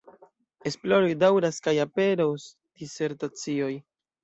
Esploroj daŭras kaj aperos disertacioj.